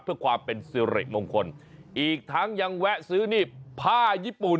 เพื่อความเป็นสิริมงคลอีกทั้งยังแวะซื้อนี่ผ้าญี่ปุ่น